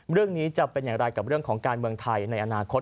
เรื่องนี้จะเป็นอย่างไรกับเรื่องของการเมืองไทยในอนาคต